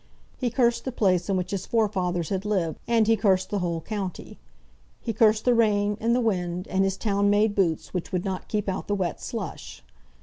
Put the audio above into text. He cursed the place in which his forefathers had lived, and he cursed the whole county. He cursed the rain, and the wind, and his town made boots, which would not keep out the wet slush.